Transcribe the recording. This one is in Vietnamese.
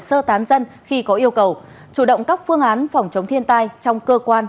sơ tán dân khi có yêu cầu chủ động các phương án phòng chống thiên tai trong cơ quan